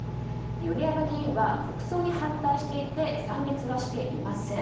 米山議員は国葬に反対していて参列はしていません。